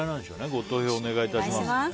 ご投票お願いします。